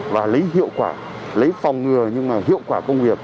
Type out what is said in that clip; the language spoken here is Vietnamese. và lấy hiệu quả lấy phòng ngừa nhưng mà hiệu quả công nghiệp